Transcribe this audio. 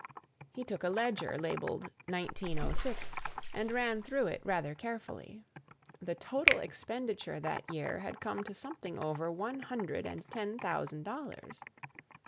He took a ledger labelled "1906" and ran through it rather carefully. The total expenditure that year had come to something over one hundred and ten thousand dollars.